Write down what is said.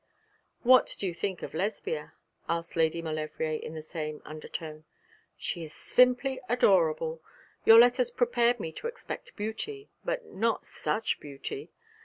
'What do you think of Lesbia?' asked Lady Maulevrier, in the same undertone. 'She is simply adorable. Your letters prepared me to expect beauty, but not such beauty.